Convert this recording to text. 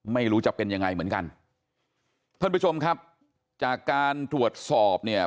ไม่รู้จะเป็นยังไงเหมือนกันท่านผู้ชมครับจากการตรวจสอบเนี่ย